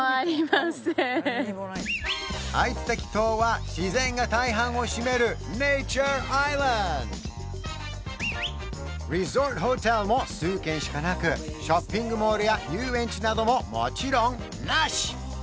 アイツタキ島は自然が大半を占めるネイチャーアイランドリゾートホテルも数軒しかなくショッピングモールや遊園地などももちろんなし！